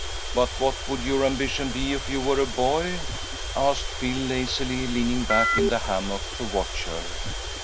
"But what would your ambition be if you were a boy?" asked Phil, lazily leaning back in the hammock to watch her.